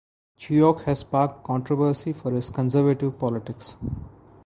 Cheok has sparked controversy for his conservative politics.